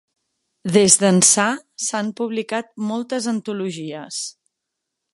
Des d'ençà, s'han publicat moltes antologies.